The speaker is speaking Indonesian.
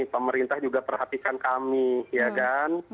pemerintah juga perhatikan kami ya kan